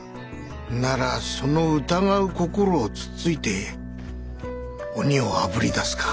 ならその疑う心をつっついて鬼をあぶり出すか。